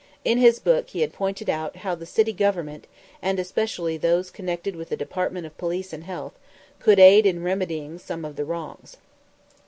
In his book he had pointed out how the city government, and especially those connected with the departments of police and health, could aid in remedying some of the wrongs.